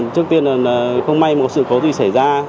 trước tiên là không may một sự cố gì xảy ra